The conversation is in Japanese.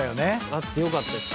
あってよかったです。